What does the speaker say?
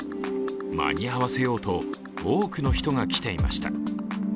間に合わせようと多くの人が来ていました。